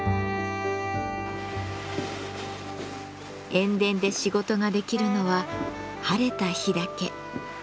塩田で仕事ができるのは晴れた日だけ。